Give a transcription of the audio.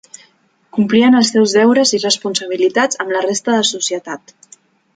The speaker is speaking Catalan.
Complien els seus deures i responsabilitats amb la resta de societat.